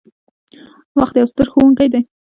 • وخت یو ستر ښوونکی دی.